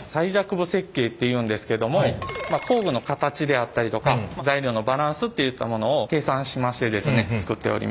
最弱部設計っていうんですけども工具の形であったりとか材料のバランスっていったものを計算しましてですね作っております。